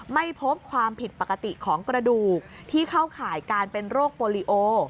ไม่พบความผิดปกติของกระดูกที่เข้าข่ายการเป็นโรคโปรลิโอ